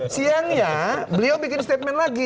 siangnya beliau bikin statement lagi